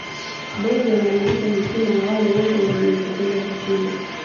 mwenge unarudisha heshima ya wale wote waliopoteza heshima